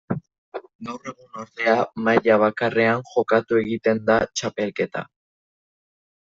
Gaur egun ordea, maila bakarrean jokatu egiten da txapelketa.